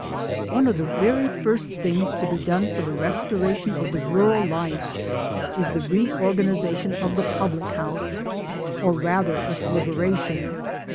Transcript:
One of the very first things to be done for the restoration of the rural life is the reorganization of the Public house or rather its liberation.